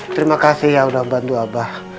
terima kasih ya udah bantu abah